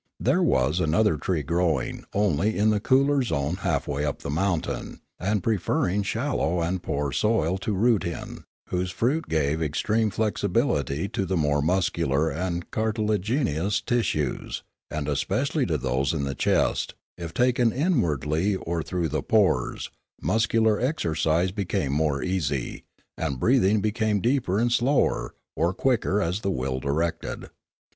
There was another tree growing only in the cooler zone half way up the mountain, and preferring shallow and poor soil to root in, whose fruit gave extreme flexibility to the more muscular and cartilaginous tissues, and especially to those in the chest; if taken inwardly or through the pores, muscular exercise became more easy, and breathing became deeper and slower or quicker as the will directed.